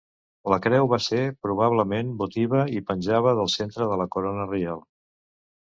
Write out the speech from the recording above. La creu va ser probablement votiva i penjava del centre de la corona reial.